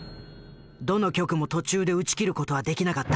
どの局も途中で打ち切る事はできなかった。